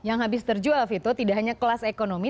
yang habis terjual vito tidak hanya kelas ekonomi